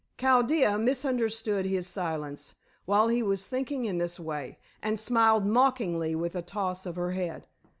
Chaldea misunderstood his silence, while he was thinking in this way, and smiled mockingly with a toss of her head.